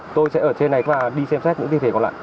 tôi sẽ ở trên này và đi xem xét những thi thể còn lại